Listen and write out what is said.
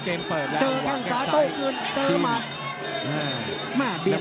เกมเปิดแล้ว